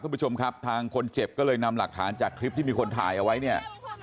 คุณผู้ชมครับทางคนเจ็บก็เลยนำหลักฐานจากคลิปที่มีคนถ่ายเอาไว้เนี่ย